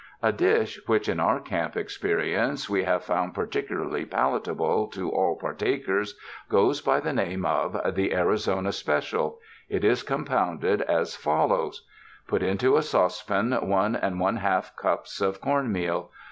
A dish which in our camp experience we have 287 UNDER THE SKY IN CALIFORNIA found particularly palatable to all partakers, goes by the name of "The Arizona Special." It is com pounded as follows: Put into a saucepan one and one half cups of corn meal.